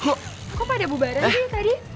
oh lo kok pada bubaran sih tadi